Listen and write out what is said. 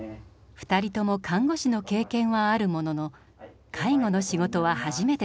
２人とも看護師の経験はあるものの介護の仕事は初めてでした。